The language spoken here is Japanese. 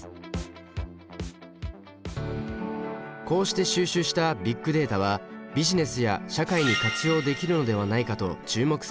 こうして収集したビッグデータはビジネスや社会に活用できるのではないかと注目されています。